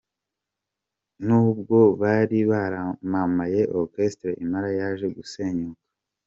Nubwo bari baramamaye Orchestre Impala yaje gusenyuka.